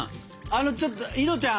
あのちょっと井戸ちゃん